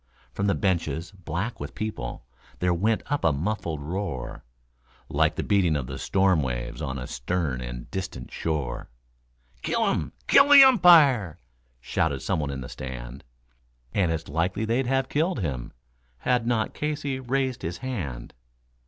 From the benches, black with people, there went up a muffled roar, Like the beating of the storm waves on a stern and distant shore; "Kill him! Kill the umpire!" shouted some one in the stand. And it's likely they'd have killed him had not Casey raised his hand.